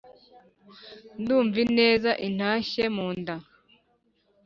nkumva ineza intashye mu nda